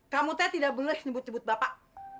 kamu teh tidak boleh nyebut nyebut bapak